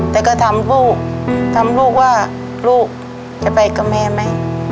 แต่ก็ถามลูกถามลูกว่าลูกจะไปกับแม่ไหม